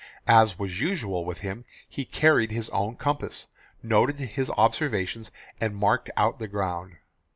As was usual with him, he carried his own compass, noted his observations, and marked out the ground.